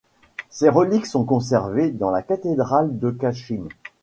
Ses reliques sont conservées dans la cathédrale de Kachine.